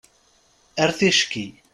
Ar ticki!